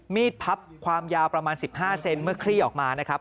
พับความยาวประมาณ๑๕เซนเมื่อคลี่ออกมานะครับ